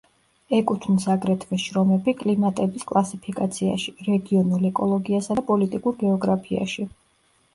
ეკუთვნის აგრეთვე შრომები კლიმატების კლასიფიკაციაში, რეგიონულ ეკოლოგიასა და პოლიტიკურ გეოგრაფიაში.